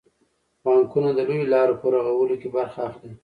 بانکونه د لویو لارو په رغولو کې برخه اخلي.